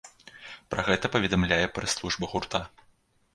Пра гэта паведамляе прэс-служба гурта.